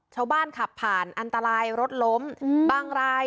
ชาวบ้านขับผ่านอันตรายรถล้มบางราย